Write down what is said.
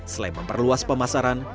selain memperluas pemasaran